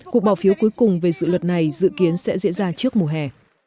cuộc bỏ phiếu cuối cùng về dự luật này dự kiến sẽ diễn ra trước mùa hè